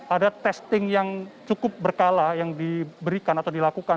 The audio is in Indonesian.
ada testing yang cukup berkala yang diberikan atau dilakukan